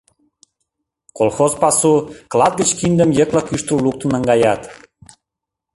Колхоз пасу, клат гыч киндым йыклык ӱштыл луктын наҥгаят.